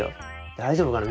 大丈夫かな？